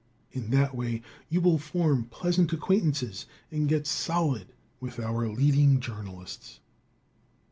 In that way you will form pleasant acquaintances and get solid with our leading journalists.